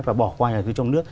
và bỏ qua nhà đầu tư trong nước